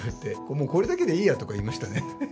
もうこれだけでいいやとか言いましたね。